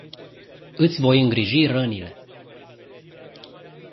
Iti voi ingriji ranile.